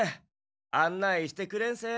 案内してくれんせ。